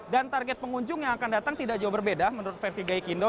dan target pengunjung yang akan datang tidak jauh berbeda menurut versi gai kindo